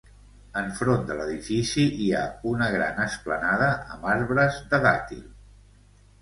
Enfront de l'edifici hi ha una gran esplanada amb arbres de dàtil.